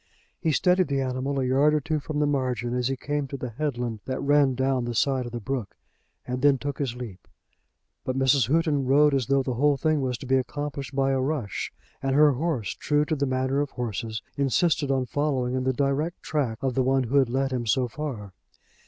He steadied the animal a yard or two from the margin as he came to the headland that ran down the side of the brook, and then took his leap. But Mrs. Houghton rode as though the whole thing was to be accomplished by a rush, and her horse, true to the manner of horses, insisted on following in the direct track of the one who had led him so far.